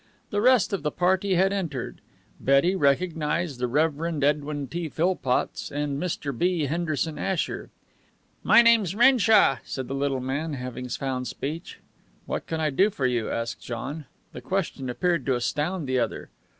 The rest of the party had entered. Betty recognized the Reverend Edwin T. Philpotts and Mr. B. Henderson Asher. "My name is Renshaw," said the little man, having found speech. "What can I do for you?" asked John. The question appeared to astound the other.